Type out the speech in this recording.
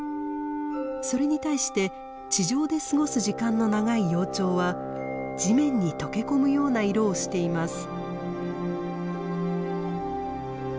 それに対して地上で過ごす時間の長い幼鳥は地面に溶け込むような色をしています。